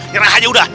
nyerang aja udah